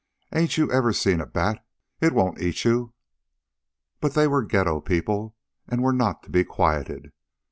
"Ain't you ever seen a bat? It won't eat you!" But they were ghetto people, and were not to be quieted.